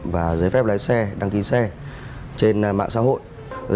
và giấy phép lái xe đăng ký xe trên mạng xã hội